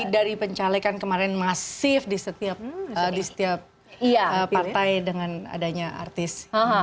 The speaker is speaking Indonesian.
dari pencalekan kemarin masif di setiap partai dengan adanya artis